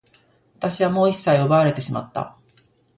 私はもう一切を奪われてしまった。